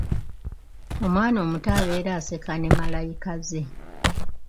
Omwana omuto abeera aseka ne malayika ze.